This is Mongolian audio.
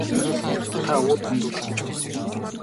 Та үр хөндүүлэх гэж байгаа юм уу?